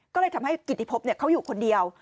ก็เลยทำให้กิติพบเขาอยู่คนเดียว